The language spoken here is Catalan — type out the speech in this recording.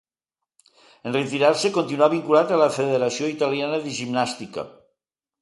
En retirar-se continuà vinculat a la Federació Italiana de Gimnàstica.